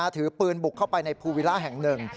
ถือปืนบุกเข้าไปในภูวิล่าแห่งหนึ่ง